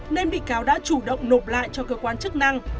nên bị cáo đã chủ động nộp lại cho cơ quan chức năng